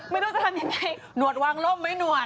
ไม่รู้จะทำยังไงหนวดวางล่มไหมหนวด